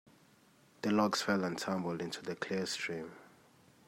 The logs fell and tumbled into the clear stream.